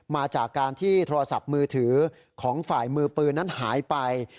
มาจากการที่โทรศัพท์มือถือของฝ่ายมือปืนนั้นหายไป